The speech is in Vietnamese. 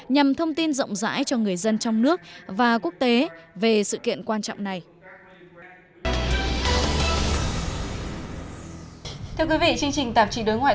nhằm thông tin rộng rãi cho người dân trong nước và quốc tế về sự kiện quan trọng này